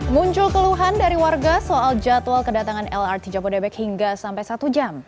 muncul keluhan dari warga soal jadwal kedatangan lrt jabodebek hingga sampai satu jam